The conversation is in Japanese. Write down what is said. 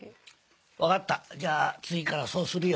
分かったじゃあ次からそうするよ。